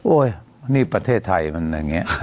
โอ้ยนี่ประเทศใทยมันอย่างเงี้ย